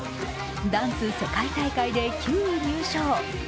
ダンス世界大会で９位入賞。